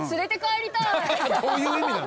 どういう意味なん？